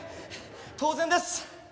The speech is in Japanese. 当然です。